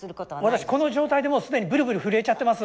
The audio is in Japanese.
私この状態でもう既にブルブル震えちゃってます。